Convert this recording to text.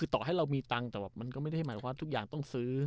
ต่อให้เรามีตังค์จะไม่เหมือนว่าทุกอย่างต้องซื้อ